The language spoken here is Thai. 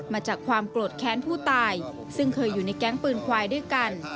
มาจากความโกรธแค้นผู้ตายซึ่งเคยอยู่ในแก๊งปืนควายด้วยกัน